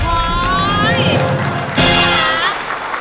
โอ้ยดีนะ